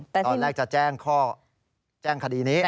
ตอนแรกจะแจ้งข้อแจ้งคดีนี้